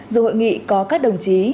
dù hội nghị có các đồng chí